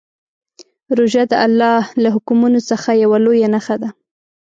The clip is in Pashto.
روژه د الله له حکمونو څخه یوه لویه نښه ده.